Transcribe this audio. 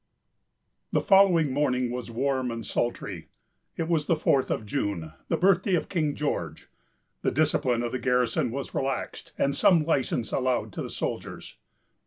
The following morning was warm and sultry. It was the fourth of June, the birthday of King George. The discipline of the garrison was relaxed, and some license allowed to the soldiers.